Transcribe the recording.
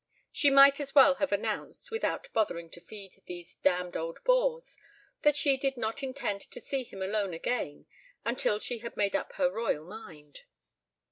She might as well have announced, without bothering to feed these damned old bores, that she did not intend to see him alone again until she had made up her royal mind.